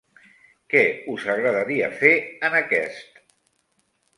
Què us agradaria fer en aquest??